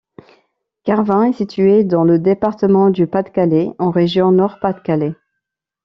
Carvin est située dans le département du Pas-de-Calais, en région Nord-Pas-de-Calais.